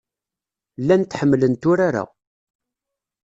Llant ḥemmlent urar-a.